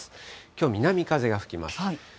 きょう、南風が吹きます。